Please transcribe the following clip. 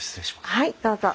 はいどうぞ。